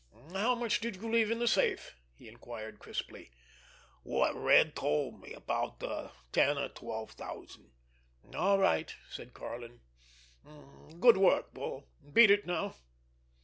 "How much did you leave in the safe?" he inquired crisply. "What Red told me—about ten or twelve thousand." "All right!" said Karlin. "Good work, Bull! Beat it, now!"